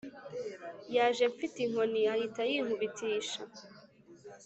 Yaje mfite inkoni ahita ayinkubitisha